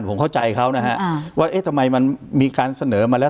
ผมเข้าใจเขานะฮะว่าเอ๊ะทำไมมันมีการเสนอมาแล้ว